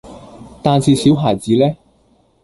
但是小孩子呢？